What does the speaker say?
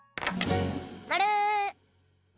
まる！